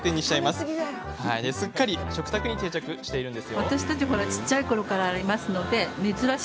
すっかり食卓に定着しています。